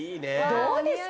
どうですか？